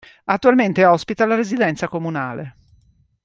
Attualmente ospita la residenza comunale.